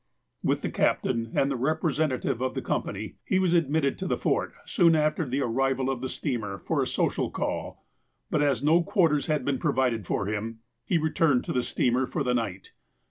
With the captain and the representative of the com pany, he was admitted to the Fort soon after the arrival of the steamer, for a social call ; but as no quarters had been provided for him, he returned to the steamer for the night.